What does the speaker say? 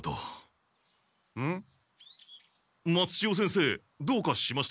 松千代先生どうかしましたか？